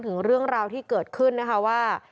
ถึงเรื่องราวที่เกิดขึ้นนะคะว่า